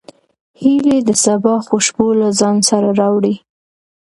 هیلۍ د سبا خوشبو له ځان سره راوړي